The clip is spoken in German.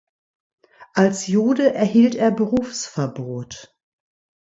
Als Jude erhielt er Berufsverbot.